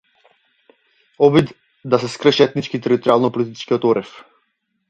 Обид да се скрши етнички територијално политичкиот орев.